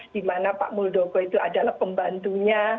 di mana pak muldoko itu adalah pembantunya